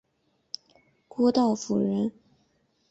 郭道甫人。